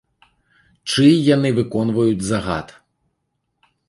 Чый яны выконваюць загад?